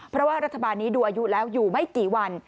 เพราะว่ารัฐบาลนี้ดูอายุแล้วอยู่ไม่กี่วัน